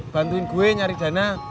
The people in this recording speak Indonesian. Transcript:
bantuin gue nyari dana